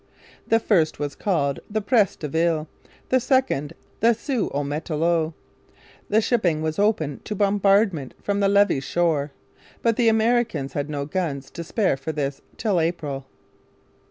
The first was called the Pres de Ville, the second the Sault au Matelot. The shipping was open to bombardment from the Levis shore. But the Americans had no guns to spare for this till April.